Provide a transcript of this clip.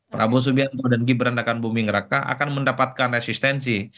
prabowo subianto dan gibran dakan bumi ngeraka akan mendapatkan resistensi